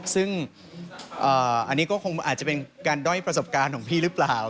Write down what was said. ซึ่งอันนี้ก็คงอาจจะเป็นการด้อยประสบการณ์ของพี่หรือเปล่า